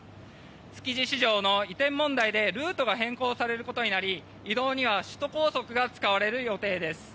築地市場の移転問題でルートが変更されることになり移動には首都高速が使われる予定です。